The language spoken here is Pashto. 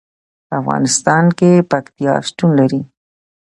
په افغانستان کې پکتیا شتون لري.